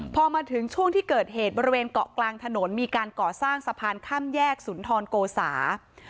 พอมาถึงช่วงที่เกิดเหตุบริเวณเกาะกลางถนนมีการก่อสร้างสะพานข้ามแยกสุนทรโกสา